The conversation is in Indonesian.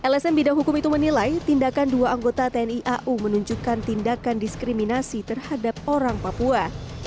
lsm bidang hukum itu menilai tindakan dua anggota tni au menunjukkan tindakan diskriminasi terhadap orang papua